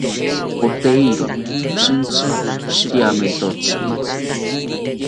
Poteiro shintsi shiriamentotzi